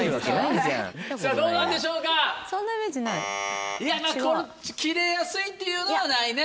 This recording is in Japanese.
まぁキレやすいっていうのはないね。